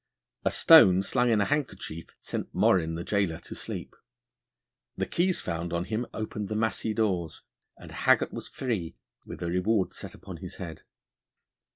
A stone slung in a handkerchief sent Morrin, the gaoler, to sleep; the keys found on him opened the massy doors; and Haggart was free with a reward set upon his head.